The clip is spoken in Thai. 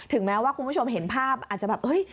แม้ว่าคุณผู้ชมเห็นภาพอาจจะแบบเฮ้ย